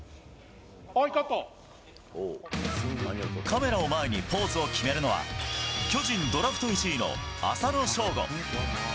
カメらを前にポーズを決めるのは、巨人ドラフト１位の浅野翔吾。